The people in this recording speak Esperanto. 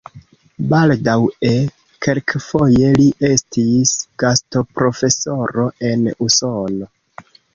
Baldaŭe kelkfoje li estis gastoprofesoro en Usono.